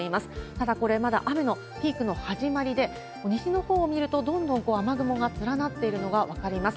ただ、これ、まだ雨のピークの始まりで、西のほうを見ると、どんどん雨雲が連なっているのが分かります。